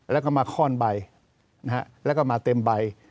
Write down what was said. แล้วก็มาค่อนใบแล้วก็มาเต็มใบ